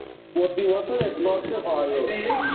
বেশ কিছুক্ষণ ধরে তাঁর এই মাতম চলে।